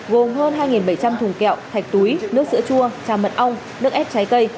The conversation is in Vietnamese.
gồm hơn hai bảy trăm linh thùng kẹo thạch túi nước sữa chua trà mật ong nước ép trái cây